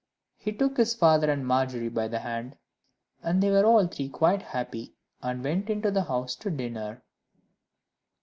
He took his father and Margery by the hand, and they were all three quite happy, and went into the house to dinner.